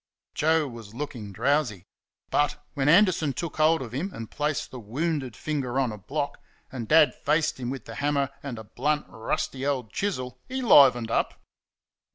Joe was looking drowsy. But, when Anderson took hold of him and placed the wounded finger on a block, and Dad faced him with the hammer and a blunt, rusty old chisel, he livened up.